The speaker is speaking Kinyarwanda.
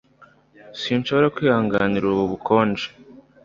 Sinshobora kwihanganira ubu bukonje.